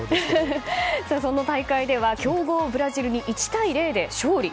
そんな大会では強豪ブラジルに１対０で勝利。